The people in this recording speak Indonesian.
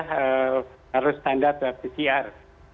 harus standar pcr